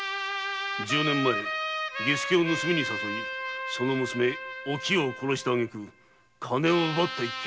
十年前儀助を盗みに誘いその娘・おきよを殺した挙句金を奪った一件。